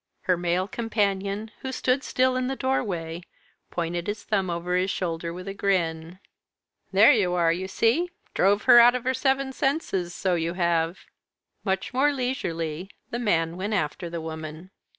Her male companion, who stood still in the doorway, pointed his thumb over his shoulder with a grin. "There you are, you see drove her out of her seven senses! So you have." Much more leisurely, the man went after the woman.